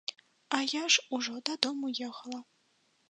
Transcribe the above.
А я ж ужо дадому ехала.